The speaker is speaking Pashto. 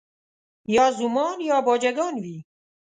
یا زومان یا باجه ګان وي